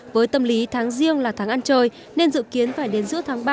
với tâm lý tháng riêng là tháng ăn trời nên dự kiến phải đến giữa tháng ba năm hai nghìn một mươi bảy